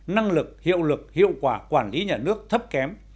năng lực hiệu lực hiệu quả quản lý nhà nước thấp kém